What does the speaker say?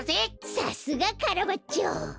さすがカラバッチョ。